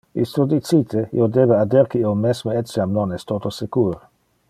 Isto dicite, io debe adder que io mesme etiam non es toto secur.